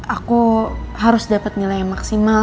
aku harus dapat nilai yang maksimal